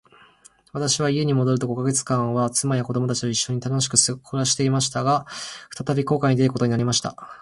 私は家に戻ると五ヵ月間は、妻や子供たちと一しょに楽しく暮していました。が、再び航海に出ることになりました。